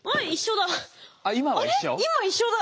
今一緒だ。